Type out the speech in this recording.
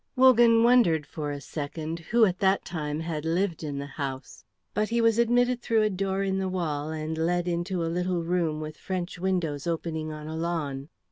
Wogan wondered for a second who at that time had lived in the house; but he was admitted through a door in the wall and led into a little room with French windows opening on a lawn.